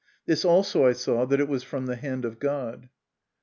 This also I saw, that it was from the hand of God.